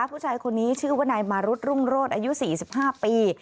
ผู้ชายคนนี้ชื่อว่านายมารุธรุ่งโรศอายุ๔๕ปี